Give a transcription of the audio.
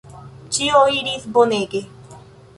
Ĉio iris bonege.